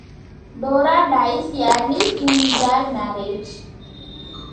Dora dies early in their marriage.